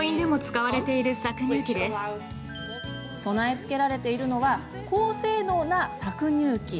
備え付けられているのは高性能な搾乳器。